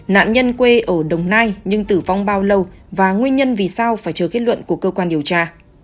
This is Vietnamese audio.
nạn nhân quê ở đồng nai nhưng tử vong bao lâu và nguyên nhân vì sao phải chờ kết luận của cơ quan điều tra